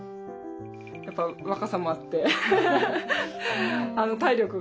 やっぱ若さもあって体力が。